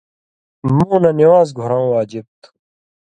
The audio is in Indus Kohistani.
مُو نہ نِوان٘ز گھُرٶں واجب تھُو۔